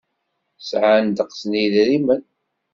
Sɛan ddeqs n yedrimen.